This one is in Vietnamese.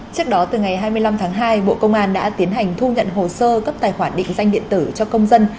trước đó từ ngày hai mươi năm tháng hai bộ công an đã tiến hành thu nhận hồ sơ cấp tài khoản định danh điện tử cho công dân